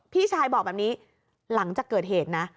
พี่ชายบอกแบบนี้หลังจากเกิดเหตุนะ